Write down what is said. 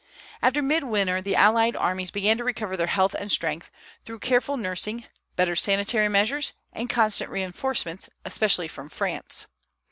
After midwinter the allied armies began to recover their health and strength, through careful nursing, better sanitary measures, and constant reinforcements, especially from France.